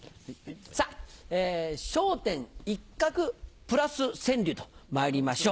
さぁ「笑点一画プラス川柳」とまいりましょう。